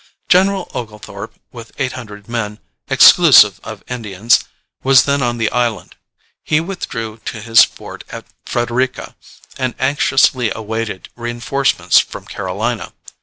General Oglethorpe, with eight hundred men, exclusive of Indians, was then on the island. He withdrew to his fort at Frederica, and anxiously awaited reinforcements from Carolina.